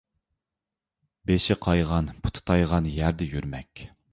بېشى قايغان، پۇتى تايغان يەردە يۈرمەك.